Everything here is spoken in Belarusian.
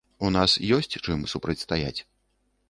У нас ёсць чым супрацьстаяць.